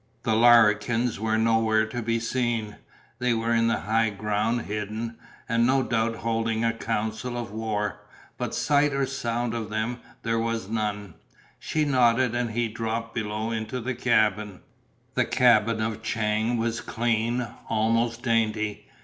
The Larrikens were nowhere to be seen; they were in the high ground hidden, and no doubt holding a council of war, but sight or sound of them there was none. She nodded and he dropped below into the cabin. The cabin of Chang was clean, almost dainty.